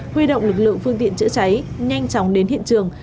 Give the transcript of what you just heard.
huy động lực lượng phương tiện chữa cháy nhanh chóng đến hiện trường